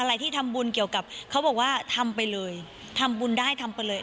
อะไรที่ทำบุญเกี่ยวกับเขาบอกว่าทำไปเลยทำบุญได้ทำไปเลย